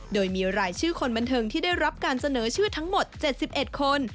โดยมีรายชื่อคนบันเทิงที่ได้รับการเสนอชื่อทั้งหมด๗๑คน